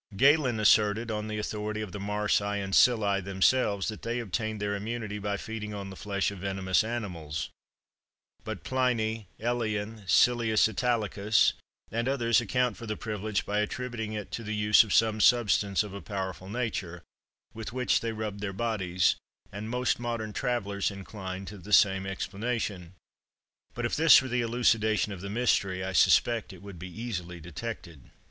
Galen asserted, on the authority of the marsi and psylli themselves, that they obtained their immunity by feeding on the flesh of venomous animals: but Pliny, Elian, Silius Italicus, and others, account for the privilege by attributing it to the use of some substance of a powerful nature, with which they rubbed their bodies; and most modern travellers incline to the same explanation. But if this were the elucidation of the mystery, I suspect it would be easily detected.